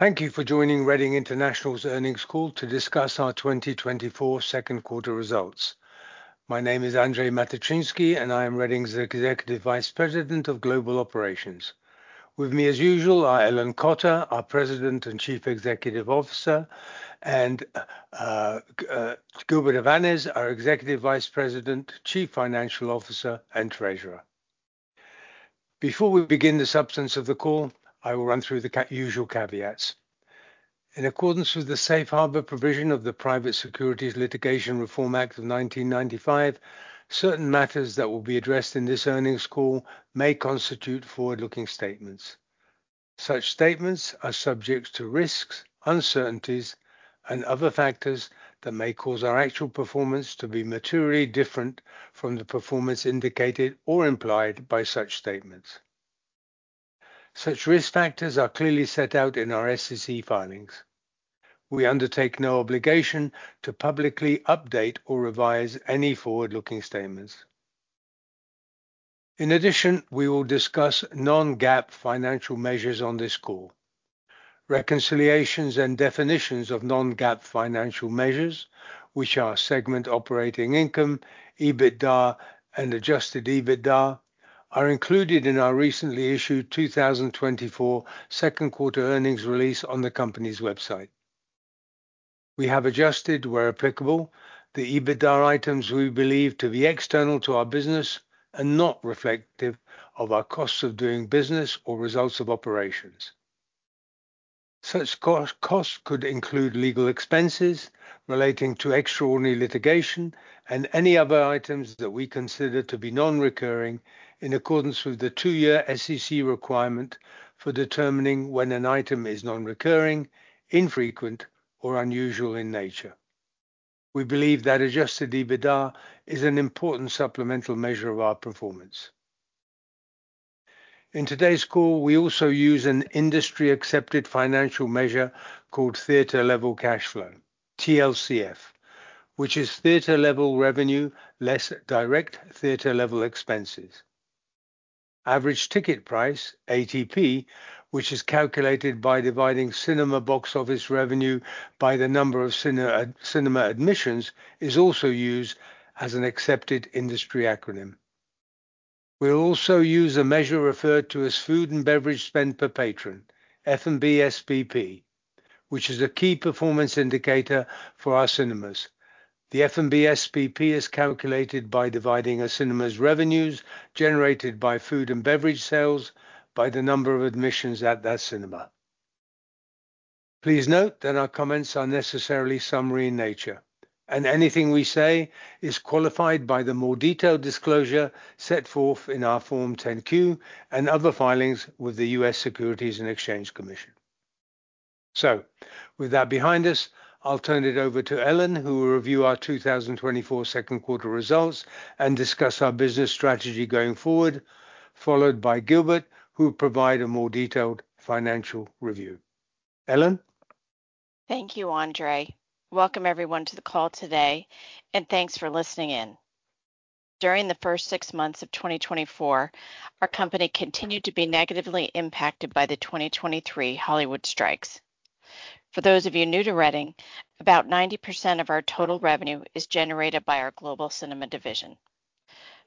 Thank you for joining Reading International's Earnings Call to discuss our 2024 Second Quarter Results. My name is Andrzej Matyczynski, and I am Reading's Executive Vice President of Global Operations. With me, as usual, are Ellen Cotter, our President and Chief Executive Officer, and Gilbert Avanes, our Executive Vice President, Chief Financial Officer, and Treasurer. Before we begin the substance of the call, I will run through the usual caveats. In accordance with the Safe Harbor provision of the Private Securities Litigation Reform Act of 1995, certain matters that will be addressed in this earnings call may constitute forward-looking statements. Such statements are subject to risks, uncertainties, and other factors that may cause our actual performance to be materially different from the performance indicated or implied by such statements. Such risk factors are clearly set out in our SEC filings. We undertake no obligation to publicly update or revise any forward-looking statements. In addition, we will discuss non-GAAP financial measures on this call. Reconciliations and definitions of non-GAAP financial measures, which are segment operating income, EBITDA, and adjusted EBITDA, are included in our recently issued 2024 second quarter earnings release on the company's website. We have adjusted, where applicable, the EBITDA items we believe to be external to our business and not reflective of our costs of doing business or results of operations. Such costs could include legal expenses relating to extraordinary litigation and any other items that we consider to be non-recurring in accordance with the two-year SEC requirement for determining when an item is non-recurring, infrequent, or unusual in nature. We believe that adjusted EBITDA is an important supplemental measure of our performance. In today's call, we also use an industry-accepted financial measure called Theater Level Cash Flow, TLCF, which is theater level revenue less direct theater level expenses. Average Ticket Price, ATP, which is calculated by dividing cinema box office revenue by the number of cinema admissions, is also used as an accepted industry acronym. We'll also use a measure referred to as Food and Beverage Spend Per Patron, F&B SPP, which is a key performance indicator for our cinemas. The F&B SPP is calculated by dividing a cinema's revenues generated by food and beverage sales by the number of admissions at that cinema. Please note that our comments are necessarily summary in nature, and anything we say is qualified by the more detailed disclosure set forth in our Form 10-Q and other filings with the U.S. Securities and Exchange Commission. With that behind us, I'll turn it over to Ellen, who will review our 2024 second quarter results and discuss our business strategy going forward, followed by Gilbert, who will provide a more detailed financial review. Ellen? Thank you, Andrzej. Welcome, everyone, to the call today, and thanks for listening in. During the first six months of 2024, our company continued to be negatively impacted by the 2023 Hollywood strikes. For those of you new to Reading, about 90% of our total revenue is generated by our global cinema division.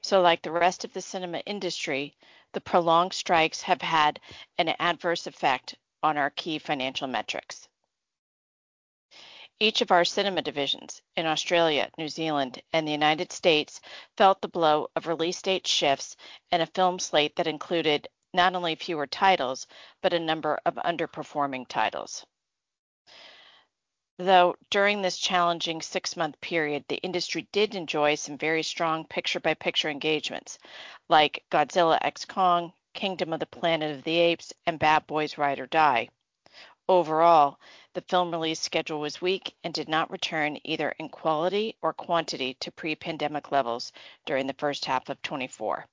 So like the rest of the cinema industry, the prolonged strikes have had an adverse effect on our key financial metrics. Each of our cinema divisions in Australia, New Zealand, and the United States felt the blow of release date shifts and a film slate that included not only fewer titles, but a number of underperforming titles. Though, during this challenging six-month period, the industry did enjoy some very strong picture-by-picture engagements like Godzilla x Kong: The New Empire, Kingdom of the Planet of the Apes, and Bad Boys: Ride or Die. Overall, the film release schedule was weak and did not return either in quality or quantity to pre-pandemic levels during the first half of 2024.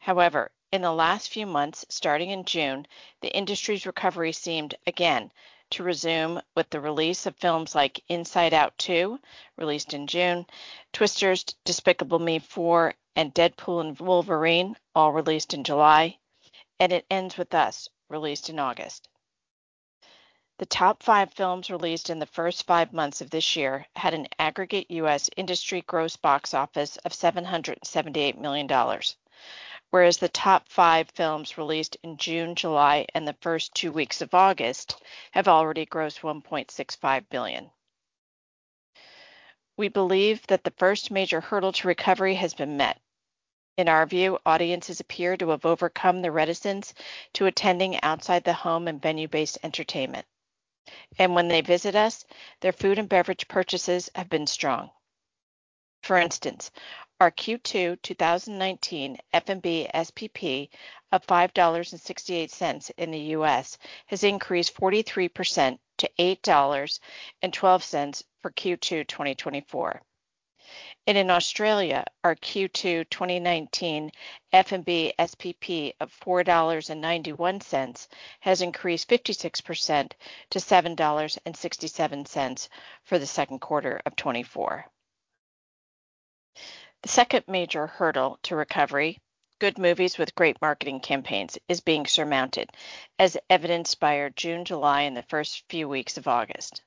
However, in the last few months, starting in June, the industry's recovery seemed again to resume with the release of films like Inside Out 2, released in June, Twisters, Despicable Me 4, and Deadpool & Wolverine, all released in July, and It Ends With Us, released in August. The top five films released in the first five months of this year had an aggregate U.S. industry gross box office of $778 million, whereas the top five films released in June, July, and the first two weeks of August have already grossed $1.65 billion. We believe that the first major hurdle to recovery has been met. In our view, audiences appear to have overcome the reticence to attending outside-the-home and venue-based entertainment,. and when they visit us, their food and beverage purchases have been strong. For instance, our Q2 2019 F&B SPP of $5.68 in the U.S. has increased 43% to $8.12 for Q2 2024. And in Australia, our Q2 2019 F&B SPP of 4.91 dollars has increased 56% to 7.67 dollars for the second quarter of 2024. The second major hurdle to recovery, good movies with great marketing campaigns, is being surmounted, as evidenced by our June, July, and the first few weeks of August.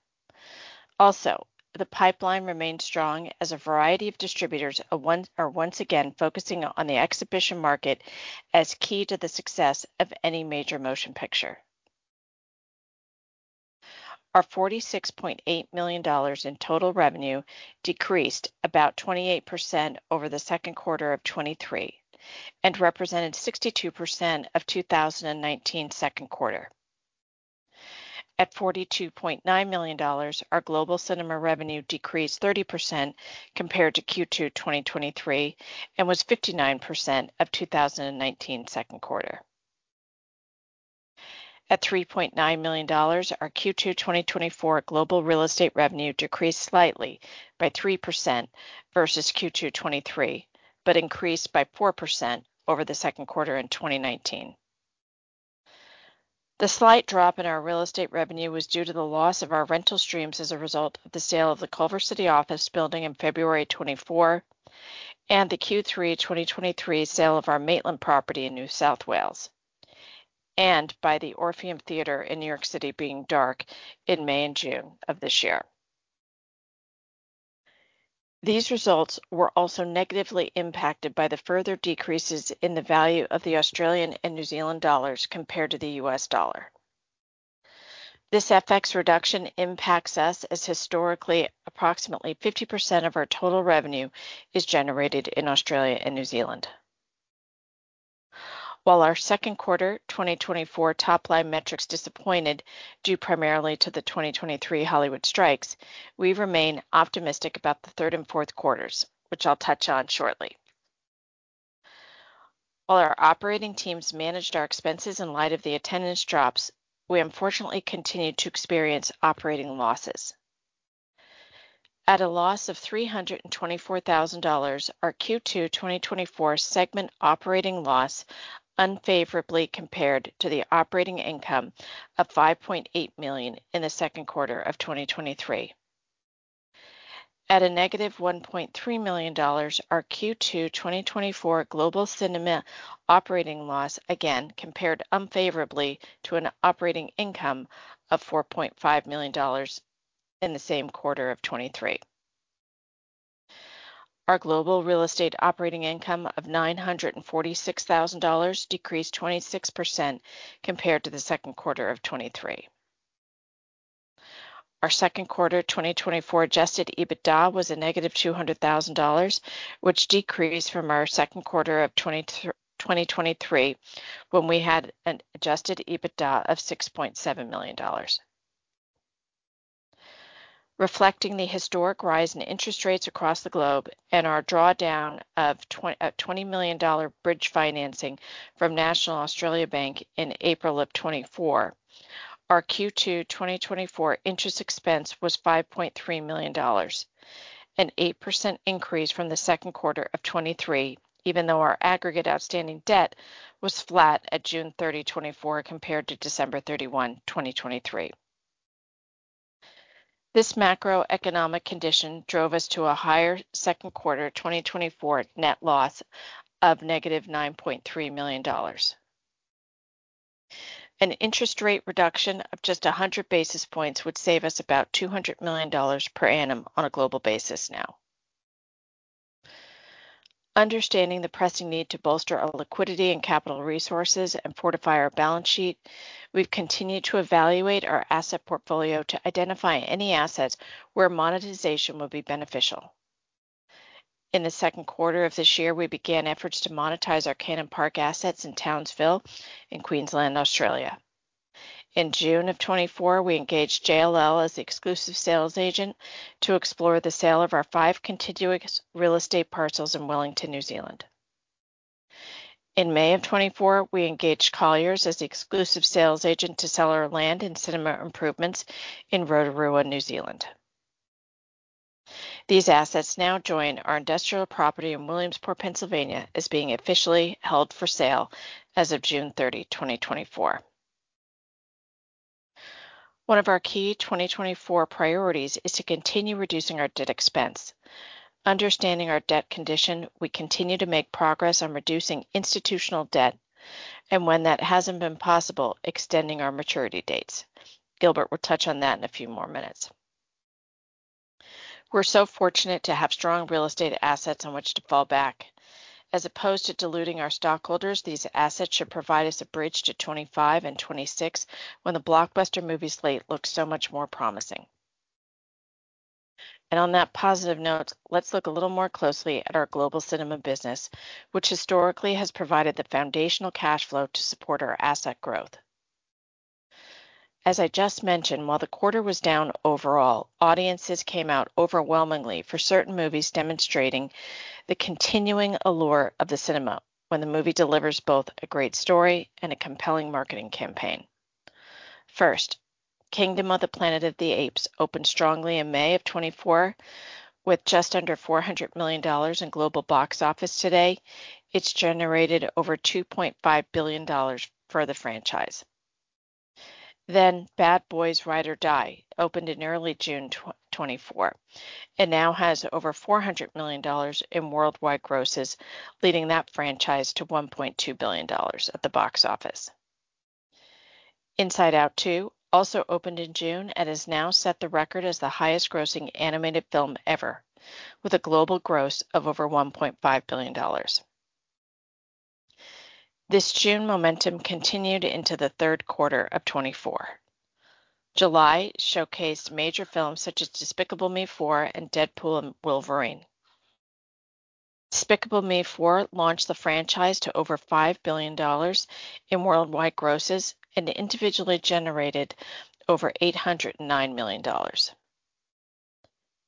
Also, the pipeline remains strong as a variety of distributors are once again focusing on the exhibition market as key to the success of any major motion picture. Our $46.8 million in total revenue decreased about 28% over the second quarter of 2023 and represented 62% of 2019 second quarter. At $42.9 million, our global cinema revenue decreased 30% compared to Q2 2023, and was 59% of 2019 second quarter. At $3.9 million, our Q2 2024 global real estate revenue decreased slightly by 3% versus Q2 2023, but increased by 4% over the second quarter in 2019. The slight drop in our real estate revenue was due to the loss of our rental streams as a result of the sale of the Culver City office building in February 2024, and the Q3 2023 sale of our Maitland property in New South Wales, and by the Orpheum Theatre in New York City being dark in May and June of this year. These results were also negatively impacted by the further decreases in the value of the Australian and New Zealand dollars compared to the U.S. dollar. This FX reduction impacts us as historically, approximately 50% of our total revenue is generated in Australia and New Zealand. While our second quarter 2024 top-line metrics disappointed due primarily to the 2023 Hollywood strikes, we remain optimistic about the third and fourth quarters, which I'll touch on shortly. While our operating teams managed our expenses in light of the attendance drops, we unfortunately continued to experience operating losses. At a loss of $324,000, our Q2 2024 segment operating loss unfavorably compared to the operating income of $5.8 million in the second quarter of 2023. At a negative $1.3 million, our Q2 2024 global cinema operating loss again compared unfavorably to an operating income of $4.5 million in the same quarter of 2023. Our global real estate operating income of $946,000 decreased 26% compared to the second quarter of 2023. Our second quarter 2024 adjusted EBITDA was a negative $200,000, which decreased from our second quarter of 2023, when we had an adjusted EBITDA of $6.7 million. Reflecting the historic rise in interest rates across the globe and our drawdown of a $20 million bridge financing from National Australia Bank in April 2024, our Q2 2024 interest expense was $5.3 million, an 8% increase from the second quarter of 2023, even though our aggregate outstanding debt was flat at June 30, 2024, compared to December 31, 2023. This macroeconomic condition drove us to a higher second quarter 2024 net loss of negative $9.3 million. An interest rate reduction of just a 100 basis points would save us about $200 million per annum on a global basis now. Understanding the pressing need to bolster our liquidity and capital resources and fortify our balance sheet, we've continued to evaluate our asset portfolio to identify any assets where monetization will be beneficial. In the second quarter of this year, we began efforts to monetize our Cannon Park assets in Townsville, in Queensland, Australia. In June of 2024, we engaged JLL as the exclusive sales agent to explore the sale of our five contiguous real estate parcels in Wellington, New Zealand. In May of 2024, we engaged Colliers as the exclusive sales agent to sell our land and cinema improvements in Rotorua, New Zealand. These assets now join our industrial property in Williamsport, Pennsylvania, as being officially held for sale as of June 30, 2024. One of our key 2024 priorities is to continue reducing our debt expense. Understanding our debt condition, we continue to make progress on reducing institutional debt, and when that hasn't been possible, extending our maturity dates. Gilbert will touch on that in a few more minutes. We're so fortunate to have strong real estate assets on which to fall back. As opposed to diluting our stockholders, these assets should provide us a bridge to 2025 and 2026, when the blockbuster movie slate looks so much more promising. And on that positive note, let's look a little more closely at our global cinema business, which historically has provided the foundational cash flow to support our asset growth. As I just mentioned, while the quarter was down overall, audiences came out overwhelmingly for certain movies, demonstrating the continuing allure of the cinema when the movie delivers both a great story and a compelling marketing campaign. First, Kingdom of the Planet of the Apes opened strongly in May of 2024, with just under $400 million in global box office to date. It's generated over $2.5 billion for the franchise.... Then Bad Boys: Ride or Die opened in early June 2024 and now has over $400 million in worldwide grosses, leading that franchise to $1.2 billion at the box office. Inside Out 2 also opened in June and has now set the record as the highest grossing animated film ever, with a global gross of over $1.5 billion. This June momentum continued into the third quarter of 2024. July showcased major films such as Despicable Me 4 and Deadpool & Wolverine. Despicable Me 4 launched the franchise to over $5 billion in worldwide grosses and individually generated over $809 million.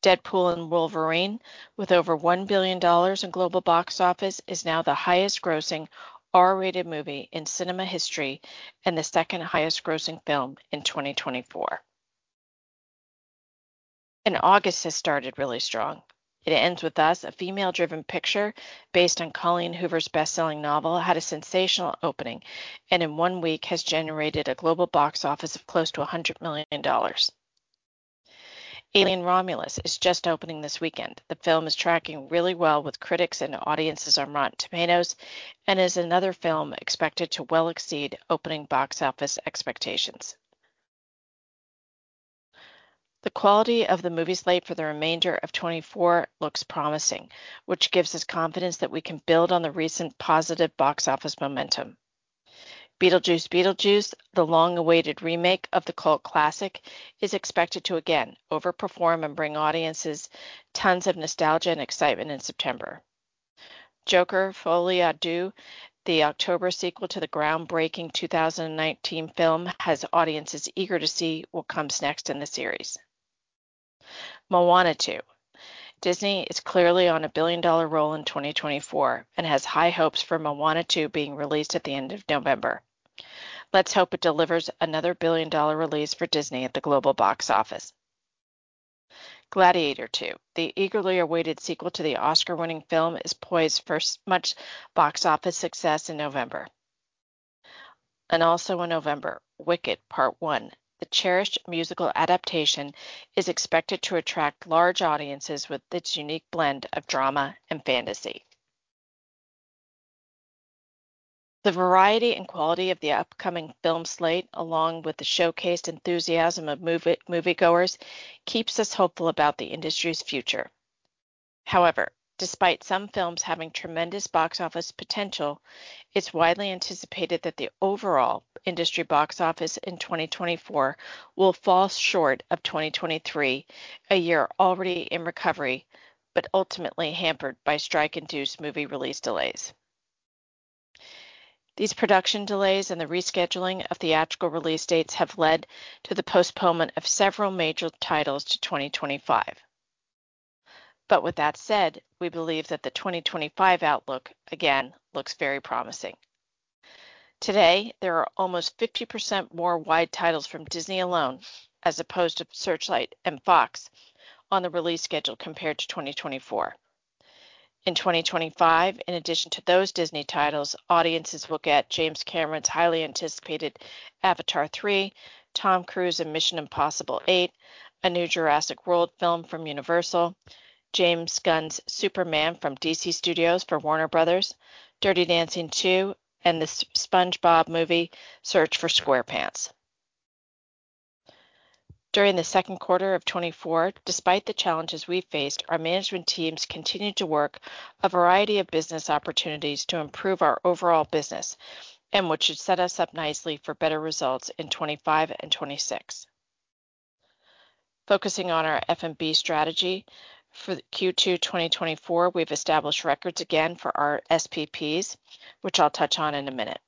Deadpool & Wolverine, with over $1 billion in global box office, is now the highest grossing R-rated movie in cinema history and the second highest grossing film in 2024. And August has started really strong. It Ends With Us, a female-driven picture based on Colleen Hoover's best-selling novel, had a sensational opening and in one week has generated a global box office of close to $100 million. Alien: Romulus is just opening this weekend. The film is tracking really well with critics, and audiences on Rotten Tomatoes, and is another film expected to well exceed opening box office expectations. The quality of the movie slate for the remainder of 2024 looks promising, which gives us confidence that we can build on the recent positive box office momentum. Beetlejuice Beetlejuice, the long-awaited remake of the cult classic, is expected to again overperform and bring audiences tons of nostalgia and excitement in September. Joker: Folie à Deux, the October sequel to the groundbreaking 2019 film, has audiences eager to see what comes next in the series. Moana 2. Disney is clearly on a billion-dollar roll in 2024 and has high hopes for Moana 2 being released at the end of November. Let's hope it delivers another billion-dollar release for Disney at the global box office. Gladiator II, the eagerly awaited sequel to the Oscar-winning film, is poised for much box office success in November. Also in November, Wicked: Part One, the cherished musical adaptation, is expected to attract large audiences with its unique blend of drama and fantasy. The variety and quality of the upcoming film slate, along with the showcased enthusiasm of moviegoers, keeps us hopeful about the industry's future. However, despite some films having tremendous box office potential, it's widely anticipated that the overall industry box office in 2024 will fall short of 2023, a year already in recovery but ultimately hampered by strike-induced movie release delays. These production delays and the rescheduling of theatrical release dates have led to the postponement of several major titles to 2025. But with that said, we believe that the 2025 outlook again looks very promising. Today, there are almost 50% more wide titles from Disney alone, as opposed to Searchlight and Fox, on the release schedule compared to 2024. In 2025, in addition to those Disney titles, audiences will get James Cameron's highly anticipated Avatar 3, Tom Cruise in Mission: Impossible 8, a new Jurassic World film from Universal, James Gunn's Superman from DC Studios for Warner Bros., Dirty Dancing 2, and The SpongeBob Movie: Search for SquarePants. During the second quarter of 2024, despite the challenges we faced, our management teams continued to work a variety of business opportunities to improve our overall business and which should set us up nicely for better results in 2025 and 2026. Focusing on our F&B strategy for Q2 2024, we've established records again for our SPPs, which I'll touch on in a minute.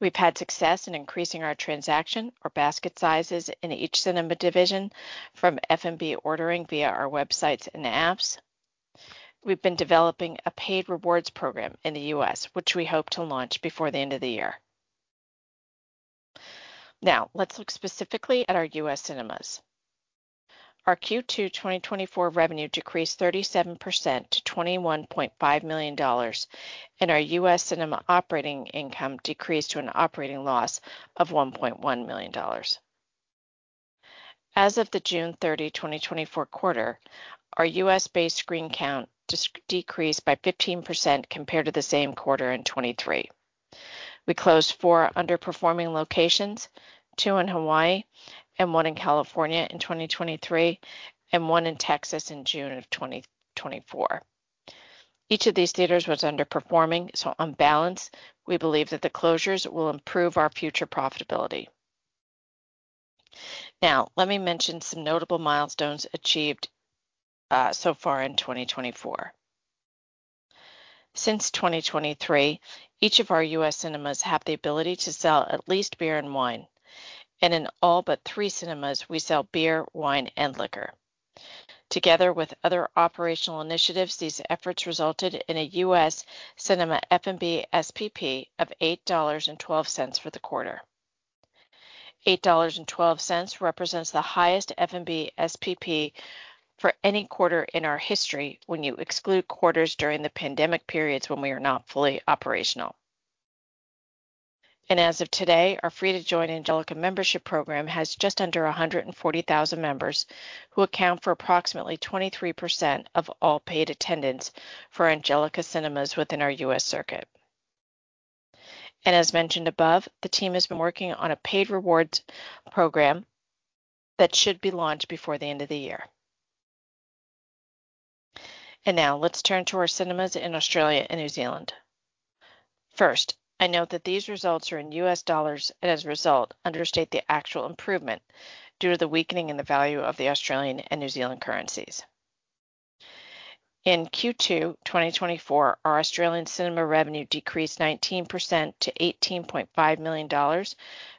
We've had success in increasing our transaction or basket sizes in each cinema division from F&B ordering via our websites and apps. We've been developing a paid rewards program in the U.S., which we hope to launch before the end of the year. Now, let's look specifically at our U.S. cinemas. Our Q2 2024 revenue decreased 37% to $21.5 million, and our U.S. cinema operating income decreased to an operating loss of $1.1 million. As of the June 30, 2024 quarter, our U.S.-based screen count decreased by 15% compared to the same quarter in 2023. We closed four underperforming locations, two in Hawaii and one in California in 2023, and one in Texas in June of 2024. Each of these theaters was underperforming, so on balance, we believe that the closures will improve our future profitability. Now, let me mention some notable milestones achieved so far in 2024. Since 2023, each of our U.S. cinemas have the ability to sell at least beer and wine, and in all but three cinemas, we sell beer, wine, and liquor. Together with other operational initiatives, these efforts resulted in a U.S. cinema F&B SPP of $8.12 for the quarter. $8.12 represents the highest F&B SPP for any quarter in our history when you exclude quarters during the pandemic periods when we are not fully operational. As of today, our free-to-join Angelika Membership Program has just under 140,000 members, who account for approximately 23% of all paid attendance for Angelika Cinemas within our U.S. circuit. As mentioned above, the team has been working on a paid rewards program that should be launched before the end of the year. Now let's turn to our cinemas in Australia and New Zealand. First, I note that these results are in U.S. dollars, and as a result, understate the actual improvement due to the weakening in the value of the Australian and New Zealand currencies. In Q2 2024, our Australian cinema revenue decreased 19% to $18.5 million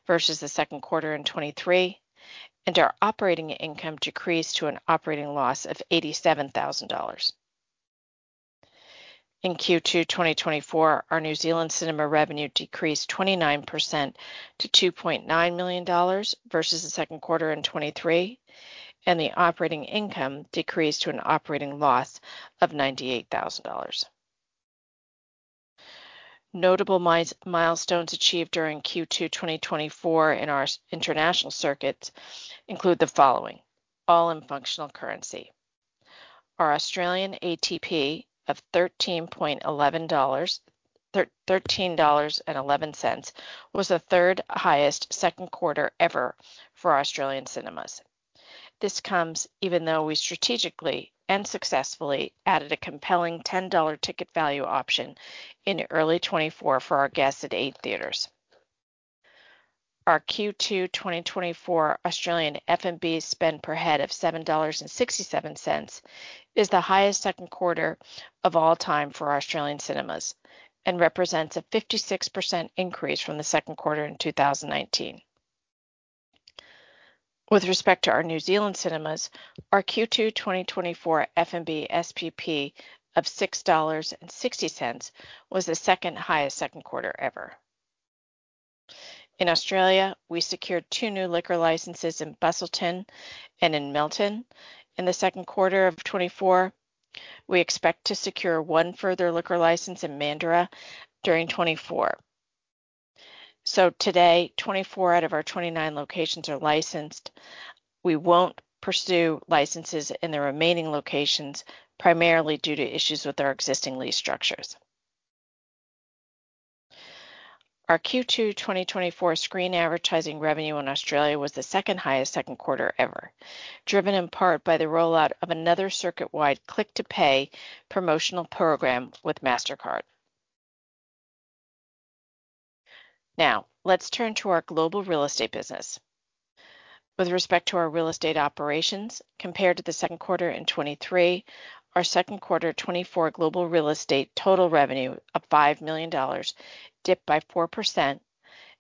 versus the second quarter in 2023, and our operating income decreased to an operating loss of $87,000. In Q2 2024, our New Zealand cinema revenue decreased 29% to $2.9 million versus the second quarter in 2023, and the operating income decreased to an operating loss of $98,000. Notable milestones achieved during Q2 2024 in our international circuits include the following: all in functional currency. Our Australian ATP of $13.11 was the third highest second quarter ever for Australian cinemas. This comes even though we strategically and successfully added a compelling $10 ticket value option in early 2024 for our guests at eight theaters. Our Q2 2024 Australian F&B spend per head of 7.67 dollars is the highest second quarter of all time for our Australian cinemas and represents a 56% increase from the second quarter in 2019. With respect to our New Zealand cinemas, our Q2 2024 F&B SPP of 6.60 dollars was the second highest second quarter ever. In Australia, we secured two new liquor licenses in Busselton and in Milton. In the second quarter of 2024, we expect to secure one further liquor license in Mandurah during 2024. So today, 24 out of our 29 locations are licensed. We won't pursue licenses in the remaining locations, primarily due to issues with our existing lease structures. Our Q2 2024 screen advertising revenue in Australia was the second highest second quarter ever, driven in part by the rollout of another circuit-wide click-to-pay promotional program with Mastercard. Now, let's turn to our global real estate business. With respect to our real estate operations, compared to the second quarter in 2023, our second quarter 2024 global real estate total revenue of $5 million dipped by 4%,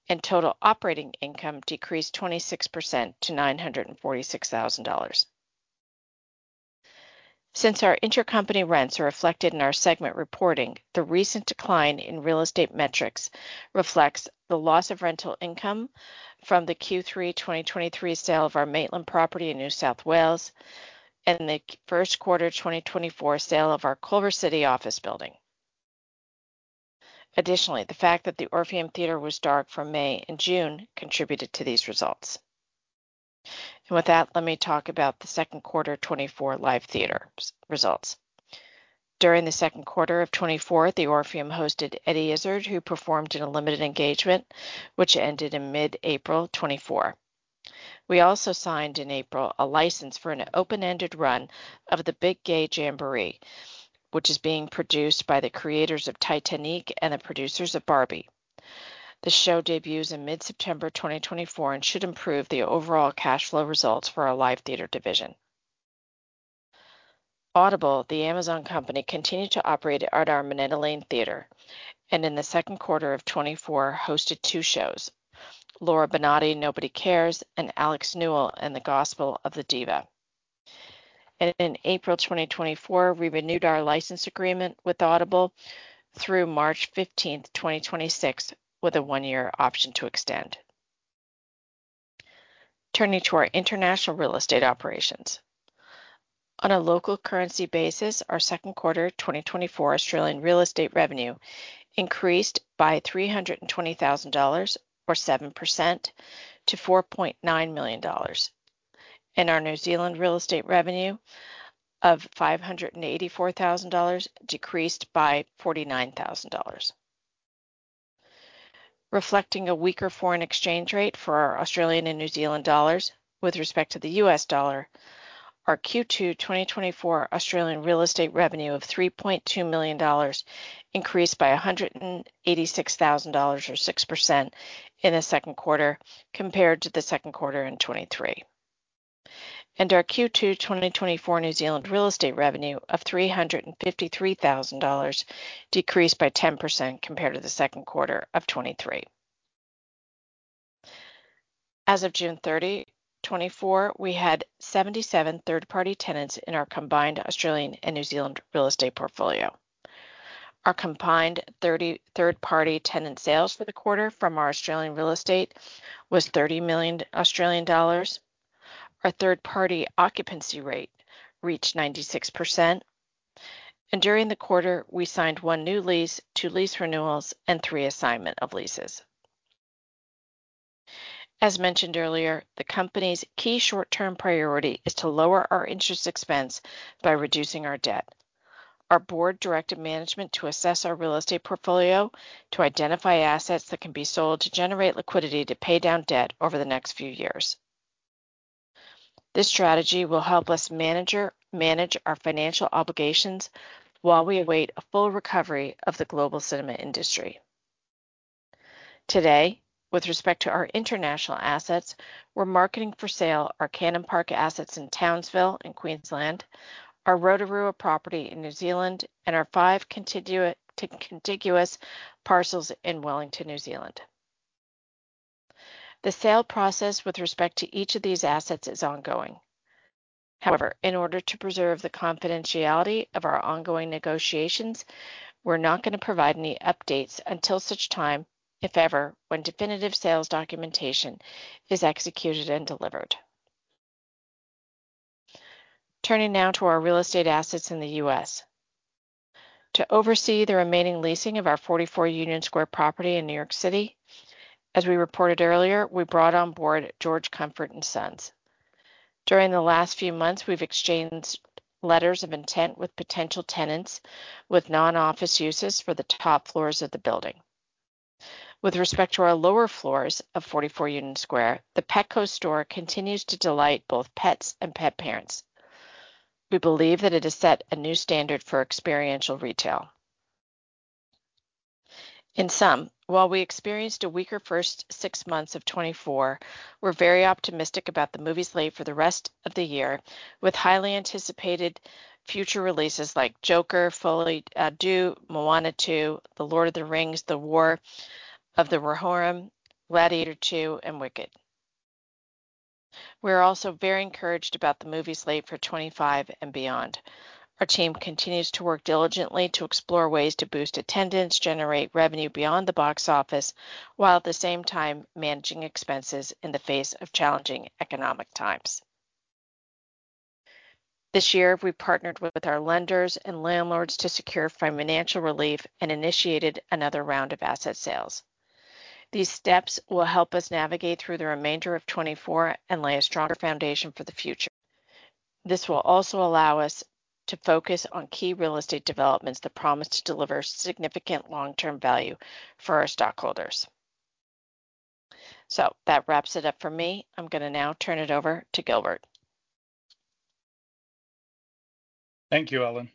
and total operating income decreased 26% to $946,000. Since our intercompany rents are reflected in our segment reporting, the recent decline in real estate metrics reflects the loss of rental income from the Q3 2023 sale of our Maitland property in New South Wales and the first quarter 2024 sale of our Culver City office building. Additionally, the fact that the Orpheum Theatre was dark from May and June contributed to these results. With that, let me talk about the second quarter 2024 live theater results. During the second quarter of 2024, the Orpheum hosted Eddie Izzard, who performed in a limited engagement, which ended in mid-April 2024. We also signed in April a license for an open-ended run of The Big Gay Jamboree, which is being produced by the creators of Titanique and the producers of Barbie. The show debuts in mid-September 2024 and should improve the overall cash flow results for our live theater division. Audible, the Amazon company, continued to operate at our Minetta Lane Theatre, and in the second quarter of 2024, hosted two shows: Laura Benanti: Nobody Cares and Alex Newell and the Gospel of the Diva. In April 2024, we renewed our license agreement with Audible through March 15th, 2026, with a one-year option to extend. Turning to our international real estate operations. On a local currency basis, our second quarter 2024 Australian real estate revenue increased by 320,000 dollars or 7% to 4.9 million dollars, and our New Zealand real estate revenue of 584,000 dollars decreased by 49,000. Reflecting a weaker foreign exchange rate for our Australian and New Zealand dollars with respect to the U.S. dollar, our Q2 2024 Australian real estate revenue of $3.2 million increased by $186,000 or 6% in the second quarter compared to the second quarter in 2023, and our Q2 2024 New Zealand real estate revenue of $353,000 decreased by 10% compared to the second quarter of 2023. As of June 30, 2024, we had 77 third-party tenants in our combined Australian and New Zealand real estate portfolio. Our combined third-party tenant sales for the quarter from our Australian real estate was 30 million Australian dollars. Our third-party occupancy rate reached 96%, and during the quarter, we signed one new lease, two lease renewals, and three assignments of leases. As mentioned earlier, the company's key short-term priority is to lower our interest expense by reducing our debt. Our board directed management to assess our real estate portfolio to identify assets that can be sold to generate liquidity to pay down debt over the next few years. This strategy will help us manage our financial obligations while we await a full recovery of the global cinema industry. Today, with respect to our international assets, we're marketing for sale our Cannon Park assets in Townsville in Queensland, our Rotorua property in New Zealand, and our five contiguous parcels in Wellington, New Zealand. The sale process with respect to each of these assets is ongoing. However, in order to preserve the confidentiality of our ongoing negotiations, we're not gonna provide any updates until such time, if ever, when definitive sales documentation is executed and delivered. Turning now to our real estate assets in the U.S. To oversee the remaining leasing of our 44 Union Square property in New York City, as we reported earlier, we brought on board George Comfort & Sons. During the last few months, we've exchanged letters of intent with potential tenants with non-office uses for the top floors of the building. With respect to our lower floors of 44 Union Square, the Petco store continues to delight both pets and pet parents. We believe that it has set a new standard for experiential retail. In sum, while we experienced a weaker first six months of 2024, we're very optimistic about the movie slate for the rest of the year, with highly anticipated future releases like Joker: Folie à Deux, Moana 2, The Lord of the Rings: The War of the Rohirrim, Gladiator II, and Wicked. We're also very encouraged about the movie slate for 2025 and beyond. Our team continues to work diligently to explore ways to boost attendance, generate revenue beyond the box office, while at the same time managing expenses in the face of challenging economic times. This year, we partnered with our lenders and landlords to secure financial relief and initiated another round of asset sales. These steps will help us navigate through the remainder of 2024 and lay a stronger foundation for the future. This will also allow us to focus on key real estate developments that promise to deliver significant long-term value for our stockholders. So that wraps it up for me. I'm gonna now turn it over to Gilbert. Thank you, Ellen.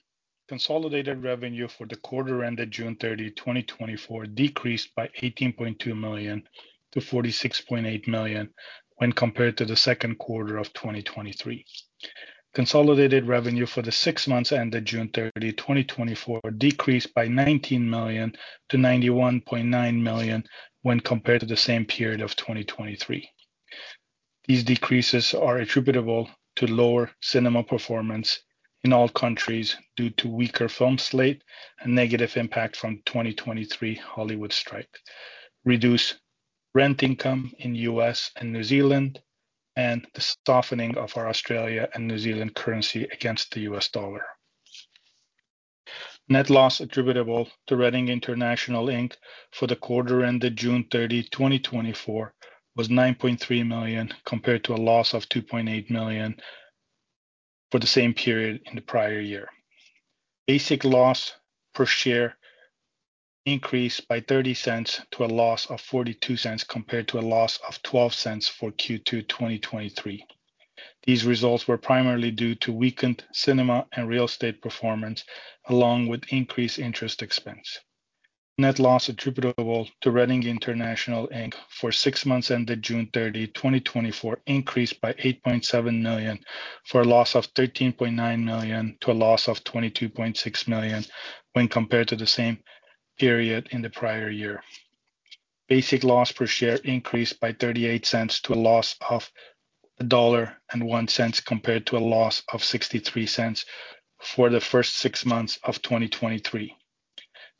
Consolidated revenue for the quarter ended June 30, 2024, decreased by $18.2 million to $46.8 million when compared to the second quarter of 2023. Consolidated revenue for the six months ended June 30, 2024, decreased by $19 million to $91.9 million when compared to the same period of 2023. These decreases are attributable to lower cinema performance in all countries due to weaker film slate and negative impact from 2023 Hollywood strike. Reduce rent income in U.S. and New Zealand, and the softening of our Australia and New Zealand currency against the U.S. dollar. Net loss attributable to Reading International Inc. for the quarter ended June 30, 2024, was $9.3 million, compared to a loss of $2.8 million for the same period in the prior year. Basic loss per share increased by $0.30 to a loss of $0.42, compared to a loss of $0.12 for Q2 2023. These results were primarily due to weakened cinema and real estate performance, along with increased interest expense. Net loss attributable to Reading International Inc. for six months ended June 30, 2024, increased by $8.7 million, for a loss of $13.9 million to a loss of $22.6 million when compared to the same period in the prior year. Basic loss per share increased by $0.38 to a loss of $1.01, compared to a loss of $0.63 for the first six months of 2023.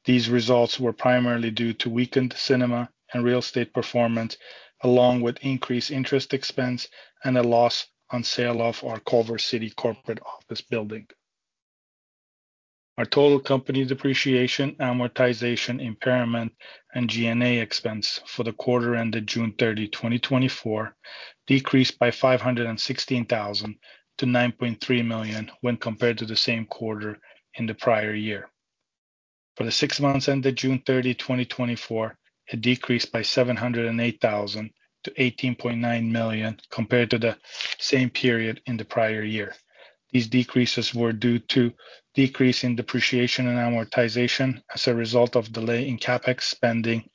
These results were primarily due to weakened cinema and real estate performance, along with increased interest expense and a loss on sale of our Culver City corporate office building. Our total company depreciation, amortization, impairment, and G&A expense for the quarter ended June 30, 2024, decreased by $516,000 to $9.3 million when compared to the same quarter in the prior year. For the six months ended June 30, 2024, it decreased by $708,000 to $18.9 million compared to the same period in the prior year. These decreases were due to decrease in depreciation and amortization as a result of delay in CapEx spending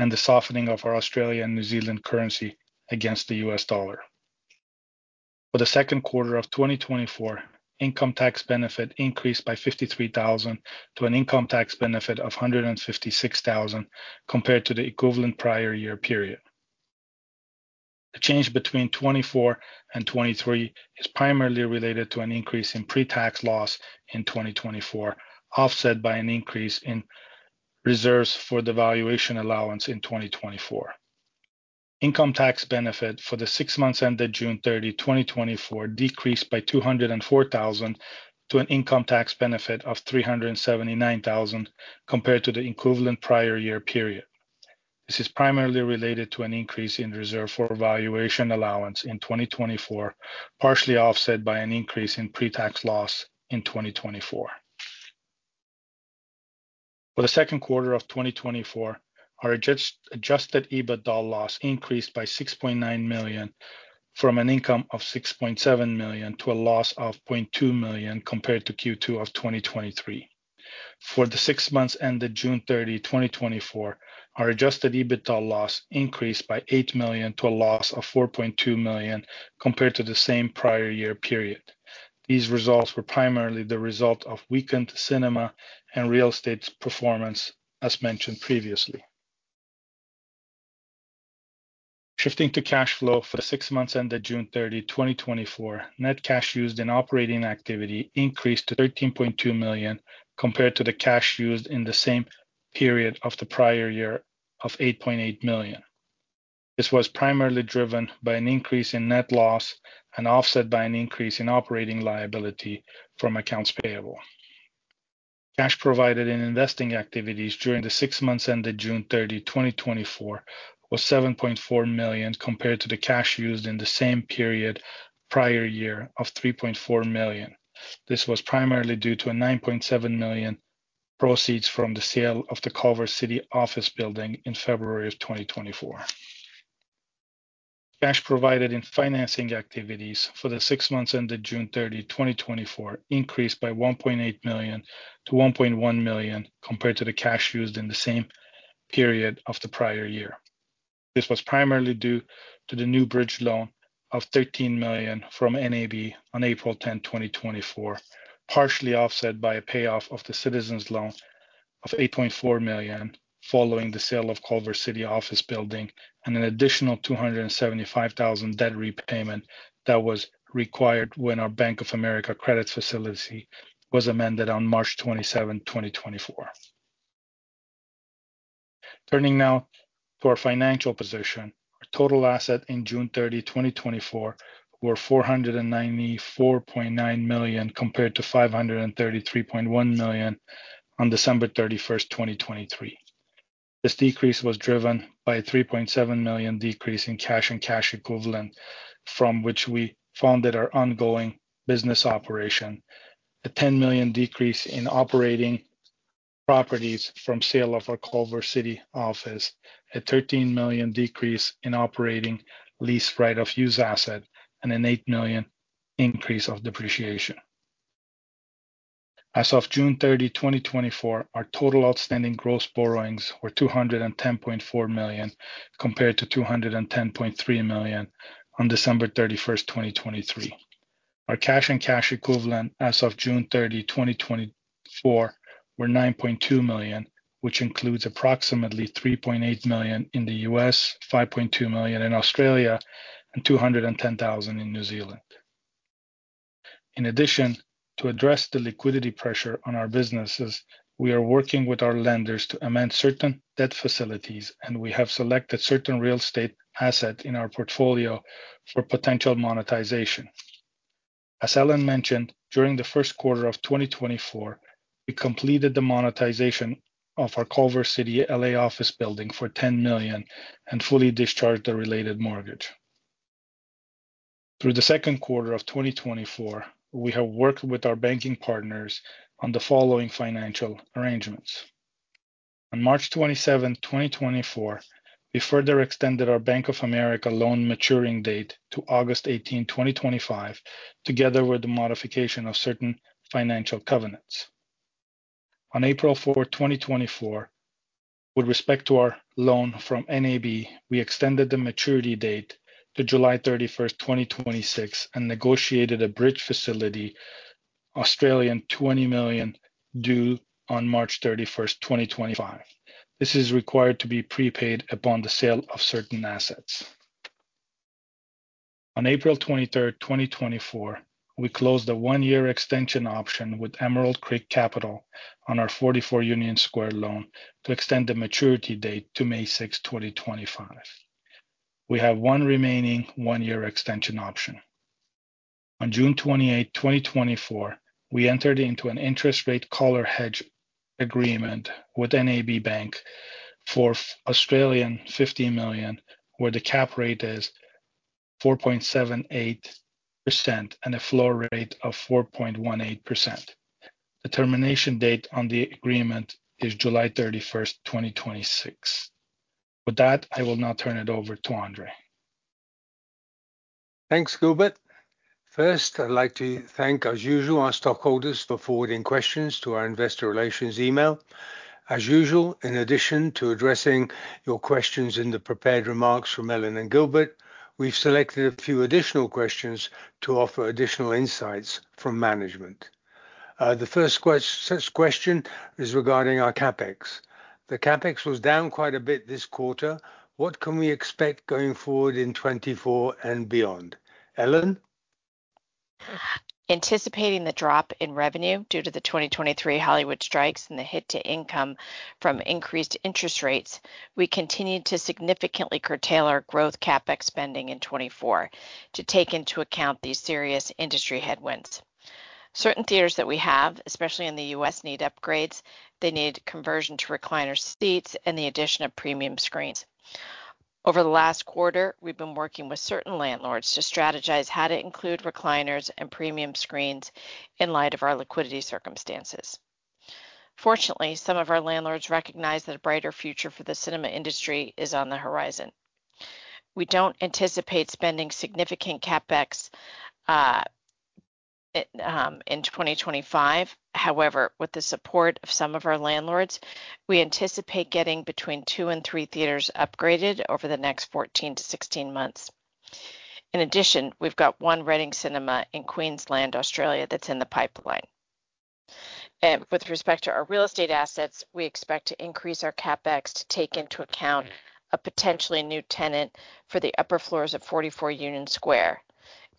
and the softening of our Australia and New Zealand currency against the U.S. dollar. For the second quarter of 2024, income tax benefit increased by $53,000 to an income tax benefit of $156,000 compared to the equivalent prior year period. The change between 2024 and 2023 is primarily related to an increase in pre-tax loss in 2024, offset by an increase in reserves for the valuation allowance in 2024. Income tax benefit for the six months ended June 30, 2024, decreased by $204,000 to an income tax benefit of $379,000 compared to the equivalent prior year period. This is primarily related to an increase in reserve for valuation allowance in 2024, partially offset by an increase in pre-tax loss in 2024. For the second quarter of 2024, our adjusted EBITDA loss increased by $6.9 million, from an income of $6.7 million to a loss of $0.2 million compared to Q2 of 2023. For the six months ended June 30, 2024, our adjusted EBITDA loss increased by $8 million to a loss of $4.2 million compared to the same prior year period. These results were primarily the result of weakened cinema and real estate performance, as mentioned previously. Shifting to cash flow for the six months ended June 30, 2024, net cash used in operating activity increased to $13.2 million, compared to the cash used in the same period of the prior year of $8.8 million. This was primarily driven by an increase in net loss and offset by an increase in operating liability from accounts payable. Cash provided in investing activities during the six months ended June 30, 2024 was $7.4 million, compared to the cash used in the same period prior year of $3.4 million. This was primarily due to $9.7 million proceeds from the sale of the Culver City office building in February 2024. Cash provided in financing activities for the six months ended June 30, 2024 increased by $1.8 million to $1.1 million, compared to the cash used in the same period of the prior year. This was primarily due to the new bridge loan of $13 million from NAB on April 10, 2024, partially offset by a payoff of the Citizens Bank loan of $8.4 million following the sale of Culver City office building, and an additional $275,000 debt repayment that was required when our Bank of America credit facility was amended on March 27, 2024. Turning now to our financial position. Our total assets as of June 30, 2024, were $494.9 million, compared to $533.1 million on December 31, 2023. This decrease was driven by a $3.7 million decrease in cash and cash equivalents, from which we funded our ongoing business operations. A $10 million decrease in operating properties from sale of our Culver City office, a $13 million decrease in operating lease right-of-use asset, and an $8 million increase of depreciation. As of June 30, 2024, our total outstanding gross borrowings were $210.4 million, compared to $210.3 million on December 31, 2023. Our cash and cash equivalents as of June 30, 2024, were $9.2 million, which includes approximately $3.8 million in the US, 5.2 million in Australia, and 210,000 in New Zealand. In addition, to address the liquidity pressure on our businesses, we are working with our lenders to amend certain debt facilities, and we have selected certain real estate asset in our portfolio for potential monetization. As Ellen mentioned, during the first quarter of 2024, we completed the monetization of our Culver City, LA office building for $10 million and fully discharged the related mortgage. Through the second quarter of 2024, we have worked with our banking partners on the following financial arrangements. On March 27, 2024, we further extended our Bank of America loan maturity date to August 18, 2025, together with the modification of certain financial covenants. On April 4, 2024, with respect to our loan from NAB, we extended the maturity date to July 31, 2026, and negotiated a bridge facility, 20 million, due on March 31, 2025. This is required to be prepaid upon the sale of certain assets. On April 23, 2024, we closed a one-year extension option with Emerald Creek Capital on our 44 Union Square loan to extend the maturity date to May 6, 2025. We have one remaining one-year extension option. On June 28, 2024, we entered into an interest rate collar hedge agreement with NAB Bank for 50 million, where the cap rate is 4.78% and a floor rate of 4.18%. The termination date on the agreement is July 31, 2026. With that, I will now turn it over to Andrzej. Thanks, Gilbert. First, I'd like to thank, as usual, our stockholders for forwarding questions to our investor relations email. As usual, in addition to addressing your questions in the prepared remarks from Ellen and Gilbert, we've selected a few additional questions to offer additional insights from management. The first question is regarding our CapEx. The CapEx was down quite a bit this quarter. What can we expect going forward in 2024 and beyond? Ellen? Anticipating the drop in revenue due to the 2023 Hollywood strikes and the hit to income from increased interest rates, we continued to significantly curtail our growth CapEx spending in 2024 to take into account these serious industry headwinds. Certain theaters that we have, especially in the U.S., need upgrades. They need conversion to recliner seats and the addition of premium screens. Over the last quarter, we've been working with certain landlords to strategize how to include recliners and premium screens in light of our liquidity circumstances. Fortunately, some of our landlords recognize that a brighter future for the cinema industry is on the horizon. We don't anticipate spending significant CapEx in 2025. However, with the support of some of our landlords, we anticipate getting between two and three theaters upgraded over the next 14 to 16 months. In addition, we've got one Reading Cinema in Queensland, Australia, that's in the pipeline. With respect to our real estate assets, we expect to increase our CapEx to take into account a potentially new tenant for the upper floors of 44 Union Square,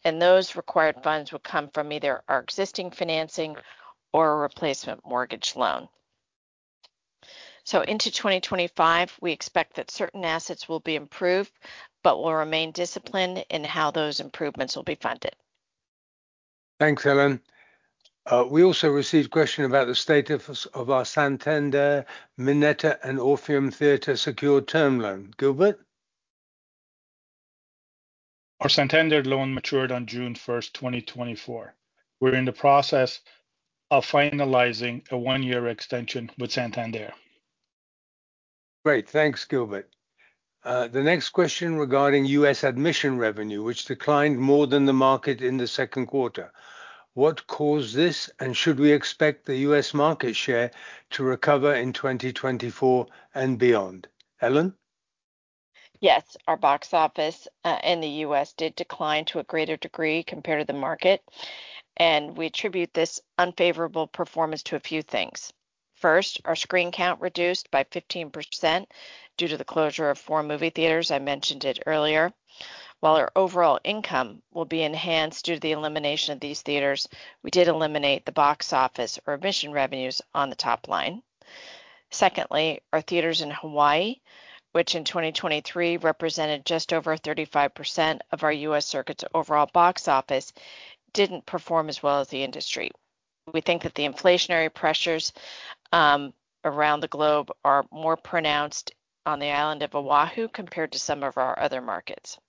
and those required funds will come from either our existing financing or a replacement mortgage loan. So into 2025, we expect that certain assets will be improved but will remain disciplined in how those improvements will be funded. Thanks, Ellen. We also received a question about the status of our Santander, Minetta, and Orpheum Theatre secured term loan. Gilbert? Our Santander loan matured on June 1st, 2024. We're in the process of finalizing a one-year extension with Santander. Great. Thanks, Gilbert. The next question regarding U.S. admission revenue, which declined more than the market in the second quarter. What caused this, and should we expect the U.S. market share to recover in 2024 and beyond? Ellen? Yes, our box office in the U.S. did decline to a greater degree compared to the market, and we attribute this unfavorable performance to a few things. First, our screen count reduced by 15% due to the closure of four movie theaters. I mentioned it earlier. While our overall income will be enhanced due to the elimination of these theaters, we did eliminate the box office or admission revenues on the top line. Secondly, our theaters in Hawaii, which in 2023 represented just over 35% of our U.S. circuit's overall box office, didn't perform as well as the industry. We think that the inflationary pressures around the globe are more pronounced on the island of Oahu compared to some of our other markets.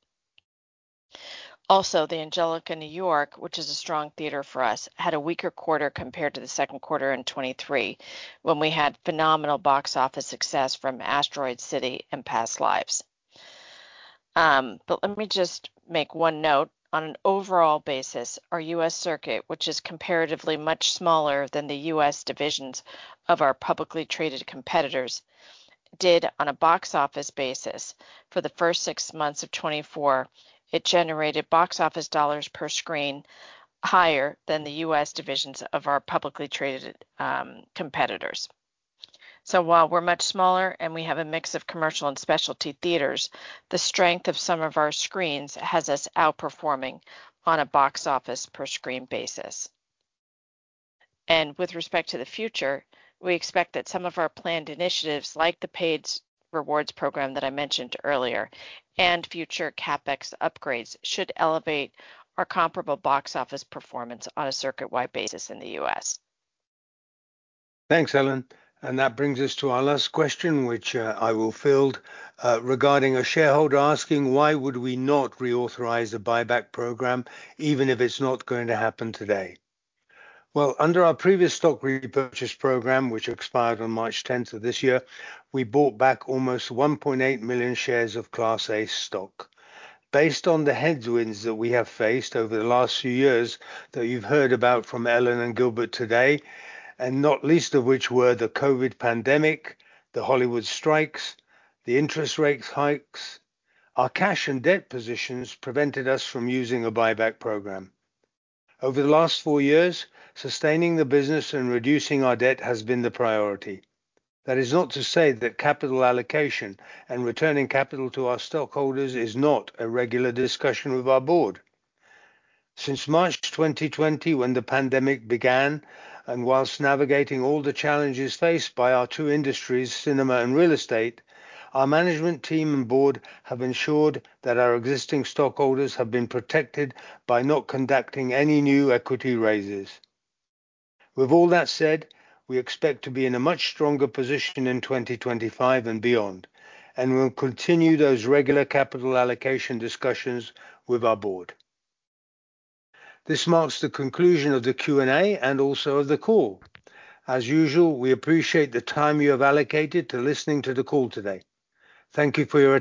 Also, the Angelika New York, which is a strong theater for us, had a weaker quarter compared to the second quarter in 2023, when we had phenomenal box office success from Asteroid City and Past Lives. But let me just make one note. On an overall basis, our U.S. circuit, which is comparatively much smaller than the U.S. divisions of our publicly traded competitors, did on a box office basis for the first six months of 2024, it generated box office dollars per screen higher than the U.S. divisions of our publicly traded competitors. So while we're much smaller and we have a mix of commercial and specialty theaters, the strength of some of our screens has us outperforming on a box office per screen basis. With respect to the future, we expect that some of our planned initiatives, like the paid rewards program that I mentioned earlier and future CapEx upgrades, should elevate our comparable box office performance on a circuit-wide basis in the U.S. Thanks, Ellen, and that brings us to our last question, which, I will field, regarding a shareholder asking: Why would we not reauthorize a buyback program even if it's not going to happen today? Well, under our previous stock repurchase program, which expired on March 10th of this year, we bought back almost 1.8 million shares of Class A stock. Based on the headwinds that we have faced over the last few years, that you've heard about from Ellen and Gilbert today, and not least of which were the COVID pandemic, the Hollywood strikes, the interest rate hikes, our cash and debt positions prevented us from using a buyback program. Over the last four years, sustaining the business and reducing our debt has been the priority. That is not to say that capital allocation and returning capital to our stockholders is not a regular discussion with our board. Since March 2020, when the pandemic began, and while navigating all the challenges faced by our two industries, cinema and real estate, our management team and board have ensured that our existing stockholders have been protected by not conducting any new equity raises. With all that said, we expect to be in a much stronger position in 2025 and beyond, and we'll continue those regular capital allocation discussions with our board. This marks the conclusion of the Q&A and also of the call. As usual, we appreciate the time you have allocated to listening to the call today. Thank you for your attention.